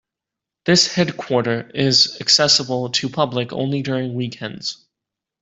This headquarter is accessible to public only during weekends.